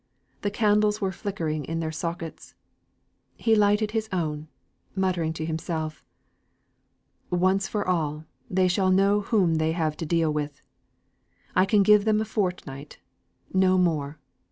The candles were flickering in their sockets. He lighted his own, muttering to himself: "Once for all they shall know whom they have got to deal with. I can give them a fortnight, no more.